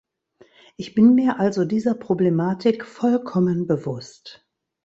Ich bin mir also dieser Problematik vollkommen bewusst.